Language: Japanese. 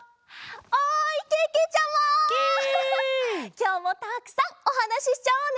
きょうもたくさんおはなししちゃおうね！